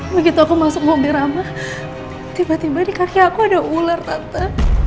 begitu aku masuk mobil ramah tiba tiba di kaki aku ada ular tante